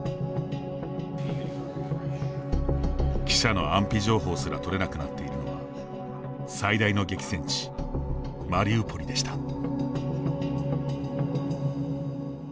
記者の安否情報すら取れなくなっているのは最大の激戦地・マリウポリでした。